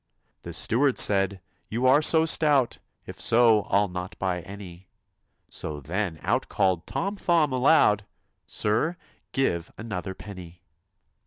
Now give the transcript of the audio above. The steward said, ' You are so stout, If so, I '11 not buy any/ So then out called Tom Thumb aloud, ' Sir, give another penny